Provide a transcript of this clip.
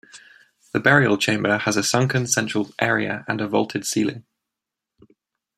The burial chamber has a sunken central area and a vaulted ceiling.